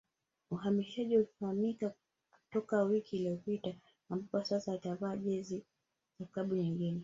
Uhamisho uliofahamika toka wiki iliyopita ambapo sasa atavaa jezi za klabu nyingine